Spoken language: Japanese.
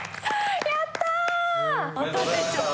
やった！